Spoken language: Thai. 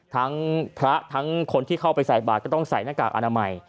ทั้งพระทั้งคนที่เข้าไปใส่บาทก็ต้องใส่หน้ากากอนามัย